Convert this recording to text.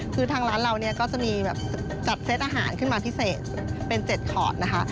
คือทางร้านเราเนี่ยก็จะมีแบบจัดเซตอาหารขึ้นมาพิเศษเป็น๗ขอดนะคะ